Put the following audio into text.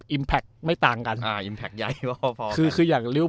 โอ้โห